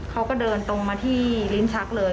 เขาก็เดินตรงมาที่ลิ้นชักเลย